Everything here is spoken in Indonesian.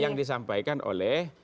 yang disampaikan oleh